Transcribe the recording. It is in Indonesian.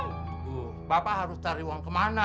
ibu bapak harus cari uang kemana